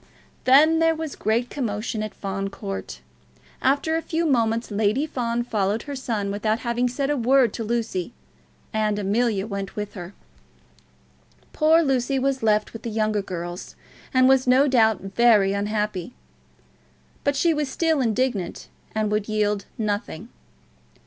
Then there was great commotion at Fawn Court. After a few moments Lady Fawn followed her son without having said a word to Lucy, and Amelia went with her. Poor Lucy was left with the younger girls, and was no doubt very unhappy. But she was still indignant, and would yield nothing.